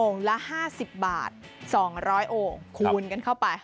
ละ๕๐บาท๒๐๐องค์คูณกันเข้าไป